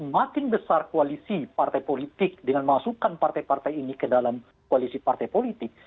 makin besar koalisi partai politik dengan masukkan partai partai ini ke dalam koalisi partai politik